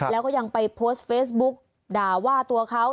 แล้วก็ยังไปโพสต์เฟซบุ๊กด่าว่าตัวเขา